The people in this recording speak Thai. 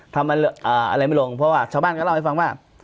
ทำอะไรไม่ลงเพราะว่าชาวบ้านก็เล่าให้ฟังว่า